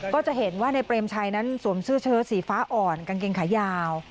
ก็จะเห็นว่าในเปรมชัยนั้นสวมเสื้อเชิดสีฟ้าอ่อนกางเกงขายาว